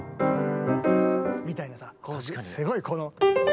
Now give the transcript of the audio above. みたいなさすごいこの。